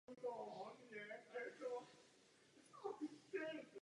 V současné době je považován za jedno z nejlepších děl tohoto balkánského režiséra.